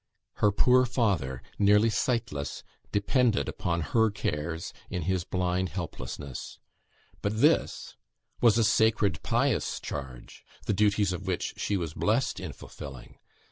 Her poor father, nearly sightless, depended upon her cares in his blind helplessness; but this was a sacred pious charge, the duties of which she was blessed in fulfilling.